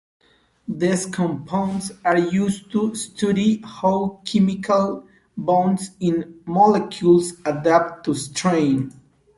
These compounds are used to study how chemical bonds in molecules adapt to strain.